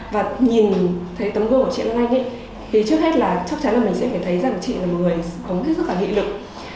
và nhìn thấy tấm gương của chị hôm nay thì trước hết là chắc chắn là mình sẽ phải thấy rằng chị là một người sống hết sức là nghị lực